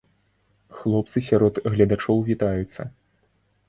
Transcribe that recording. Хлопцы сярод гледачоў вітаюцца!